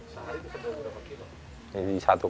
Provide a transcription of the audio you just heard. sehari itu berapa kilo